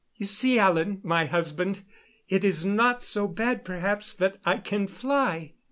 "You see, Alan, my husband, it is not so bad, perhaps, that I can fly."